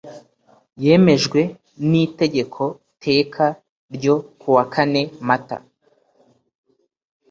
yemejwe n Itegeko teka ryo kuwa kane Mata